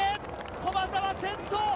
駒澤、先頭！